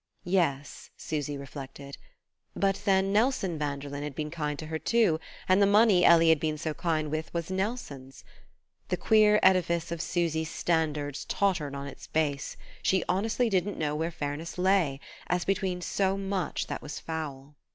Yes, Susy reflected; but then Nelson Vanderlyn had been kind to her too; and the money Ellie had been so kind with was Nelson's.... The queer edifice of Susy's standards tottered on its base she honestly didn't know where fairness lay, as between so much that was foul.